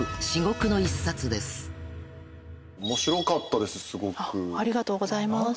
ありがとうございます。